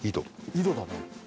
井戸だね。